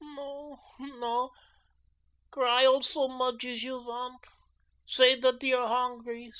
"No, no, gry all so mudge es you want. Say dot you are hongry.